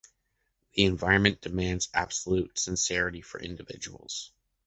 The environment demands absolute sincerity from individuals.